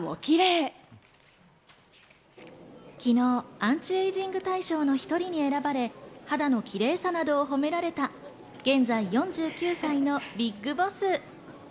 アンチエイジング大賞の１人に選ばれ、肌のキレイさなどを褒められた現在４９歳のビッグボス。